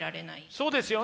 そうですよね。